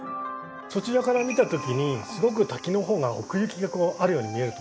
そちらから見た時にすごく滝の方が奥行きがあるように見えると思います。